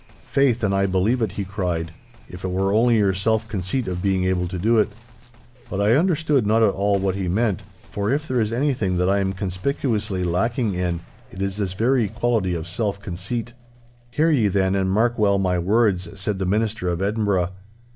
'Faith, and I believe that,' he cried, 'if it were only your self conceit of being able to do it.' But I understood not at all what he meant, for if there is anything that I am conspicuously lacking in, it is this very quality of self conceit. 'Hear ye, then, and mark well my words,' said the Minister of Edinburgh.